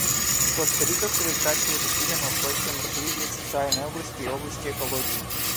Коста-Рика сосредоточивает усилия на устойчивом развитии в социальной области и в области экологии.